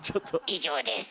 以上です。